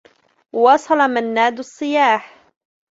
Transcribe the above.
واصل منّاد الصّياح.